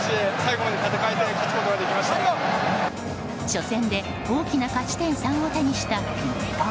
初戦で大きな勝ち点３を手にした日本。